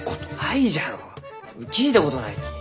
聞いたことないき。